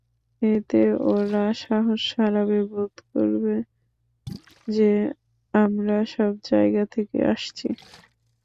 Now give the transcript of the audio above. এতে ওরা সাহস হারাবে, বোধ করবে যে আমরা সবজায়গা থেকে আসছি।